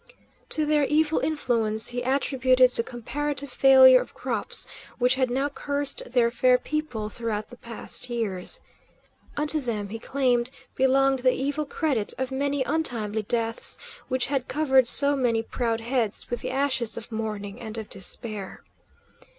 To their evil influence he attributed the comparative failure of crops which had now cursed their fair people throughout the past years. Unto them, he claimed, belonged the evil credit of many untimely deaths which had covered so many proud heads with the ashes of mourning and of despair.